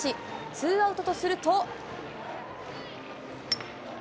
ツーアウトとすると。